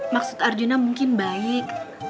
maksud arjuna mungkin baik